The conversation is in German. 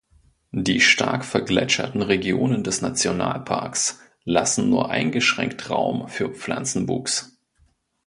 Die stark vergletscherten Regionen des Nationalparks lassen nur eingeschränkt Raum für Pflanzenwuchs.